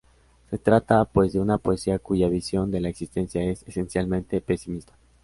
Se trata, pues, de una poesía cuya visión de la existencia es, esencialmente, pesimista.